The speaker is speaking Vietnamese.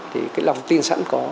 thì cái lòng tin sẵn có